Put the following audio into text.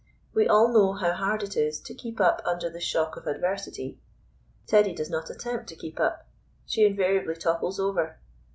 We all know how hard it is to keep up under the shock of adversity. Teddy does not attempt to keep up; she invariably topples over.